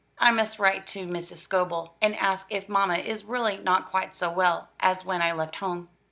I must write to Mrs. Scobel, and ask if mamma is really not quite so well as when I left home."